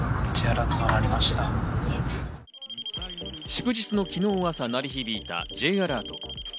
⁉祝日の昨日朝、鳴り響いたＪアラート。